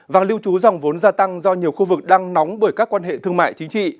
vàng lưu trú dòng vốn gia tăng do nhiều khu vực đang nóng bởi các quan hệ thương mại chính trị